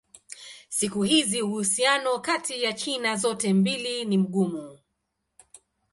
Siku hizi uhusiano kati ya China zote mbili ni mgumu.